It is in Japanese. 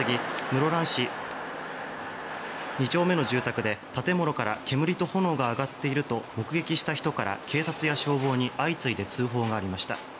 室蘭市栄町２丁目の住宅で「建物から煙と炎が上がっている」と目撃した人から警察や消防に相次いで通報がありました。